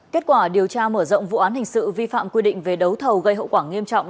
kết quả điều tra mở rộng vụ án hình sự vi phạm quy định về đấu thầu gây hậu quả nghiêm trọng